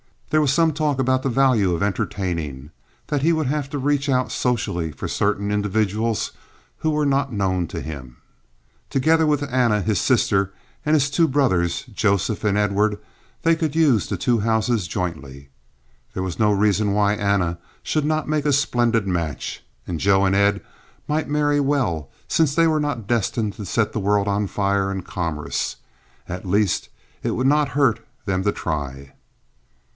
There was some talk about the value of entertaining—that he would have to reach out socially for certain individuals who were not now known to him. Together with Anna, his sister, and his two brothers, Joseph and Edward, they could use the two houses jointly. There was no reason why Anna should not make a splendid match. Joe and Ed might marry well, since they were not destined to set the world on fire in commerce. At least it would not hurt them to try.